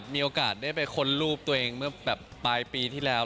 มีโอกาสได้ไปค้นรูปตัวเองเมื่อแบบปลายปีที่แล้ว